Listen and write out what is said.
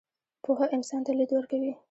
پوهه انسان ته لید ورکوي.